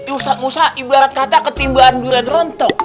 ustad musa ibarat kata ketiban durian rontok